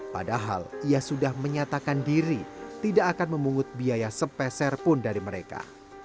padahal ia sudah menyatakan diri tidak akan memungut biaya sepeserpun dari mereka